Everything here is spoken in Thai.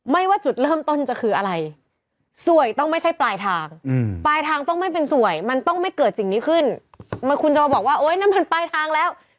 ไม่ว่าจุดเริ่มต้นจะคืออะไรสวยต้องไม่ใช่ปลายทาง